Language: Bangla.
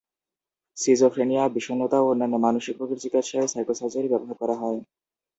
সিজোফ্রেনিয়া, বিষণ্ণতা এবং অন্যান্য মানসিক রোগের চিকিৎসায়ও সাইকোসার্জারি ব্যবহার করা হয়।